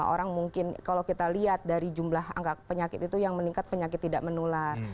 orang mungkin kalau kita lihat dari jumlah angka penyakit itu yang meningkat penyakit tidak menular